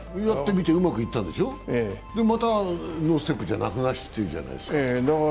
やってみてうまくいったでしょう、またノーステップじゃなくなっているじゃないですか。